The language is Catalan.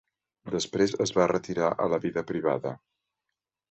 Després es va retirar a la vida privada.